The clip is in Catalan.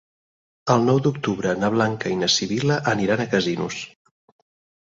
El nou d'octubre na Blanca i na Sibil·la aniran a Casinos.